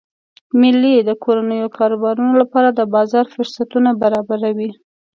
میلې د کورنیو کاروبارونو لپاره د بازار فرصتونه برابروي.